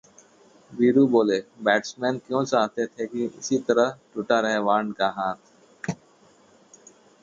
वीरू बोले- बैट्समैन क्यों चाहते थे कि इसी तरह टूटा रहे वॉर्न का हाथ